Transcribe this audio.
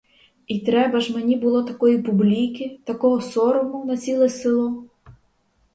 І треба ж мені було такої публіки, такого сорому, на ціле село?